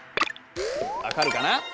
分かるかな？